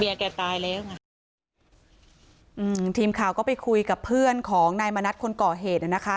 แกตายแล้วไงอืมทีมข่าวก็ไปคุยกับเพื่อนของนายมณัฐคนก่อเหตุน่ะนะคะ